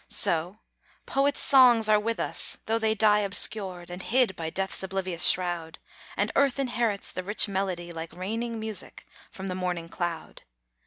So, poets' songs are with us, tho' they die Obscured, and hid by death's oblivious shroud, And Earth inherits the rich melody Like raining music from the morning cloud.